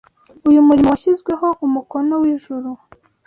Uyu murimo washyizweho umukono w’Ijuru